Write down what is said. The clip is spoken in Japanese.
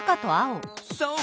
そう。